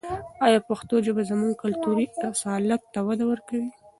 آیا پښتو ژبه زموږ کلتوري اصالت ته وده ورکوي؟